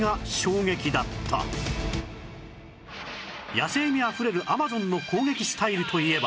野性味あふれるアマゾンの攻撃スタイルといえば